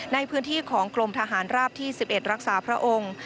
ในพื้นที่ของกรมทหารราบที่๑๑รักษาพระองค์